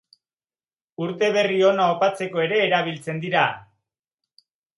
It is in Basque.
Urteberri ona opatzeko ere erabiltzen dira.